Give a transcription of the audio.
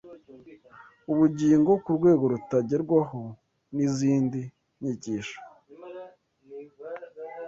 ubugingo ku rwego rutagerwaho n’izindi nyigisho.